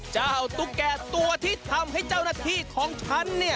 เจ้าตุ๊กแกตัวที่ทำให้เจ้าหน้าที่ของฉัน